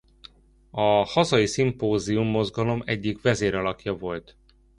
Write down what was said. A hazai szimpózium-mozgalom egyik vezéralakja volt.